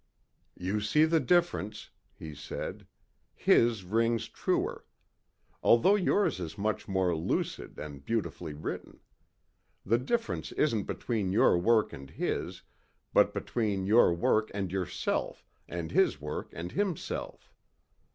"You see the difference," he said. "His rings truer. Although yours is much more lucid and beautifully written. The difference isn't between your work and his but between your work and yourself and his work and himself.